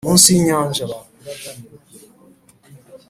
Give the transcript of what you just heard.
munsi yinyanja